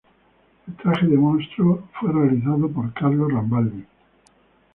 El traje del monstruo fue realizado por Carlo Rambaldi.